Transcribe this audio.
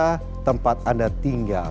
kota tempat anda tinggal